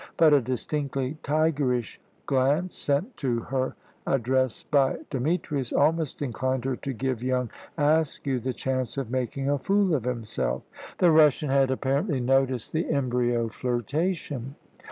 But a distinctly tigerish glance, sent to her address by Demetrius, almost inclined her to give young Askew the chance of making a fool of himself. The Russian had apparently noticed the embryo flirtation.